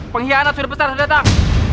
pengkhianat surut besar sudah datang